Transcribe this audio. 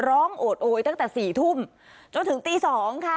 โอดโอยตั้งแต่สี่ทุ่มจนถึงตีสองค่ะ